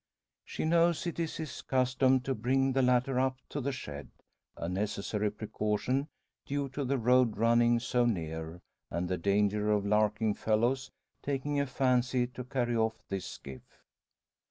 She knows it is his custom to bring the latter up to the shed a necessary precaution due to the road running so near, and the danger of larking fellows taking a fancy to carry off his skiff.